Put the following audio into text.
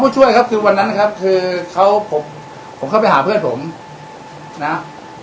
อ๋อผู้ช่วยครับคือวันนั้นนะครับคุณผมเข้าไปหาเพื่อนผมนะครับ